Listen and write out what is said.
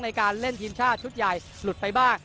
ในการเล่นทีมชาติชุดใหญ่หลุดไปบ้าง